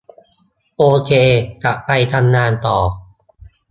โอเค กลับไปทำงานต่อ